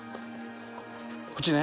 こっちね。